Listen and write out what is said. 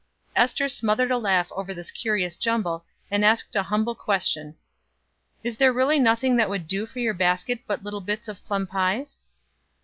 Ester smothered a laugh over this curious jumble, and asked a humble question: "Is there really nothing that would do for your basket but little bits of plum pies?"